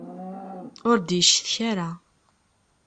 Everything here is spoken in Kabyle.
Ur d-yeccetka ara.